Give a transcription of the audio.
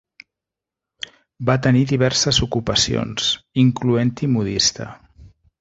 Va tenir diverses ocupacions, incloent-hi modista.